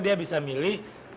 dia bisa memilih